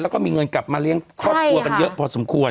แล้วก็มีเงินกลับมาเลี้ยงครอบครัวกันเยอะพอสมควร